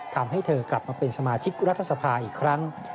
ทำให้เธอกลับมาเป็นสมาชิกรัฐสภาอีกครั้ง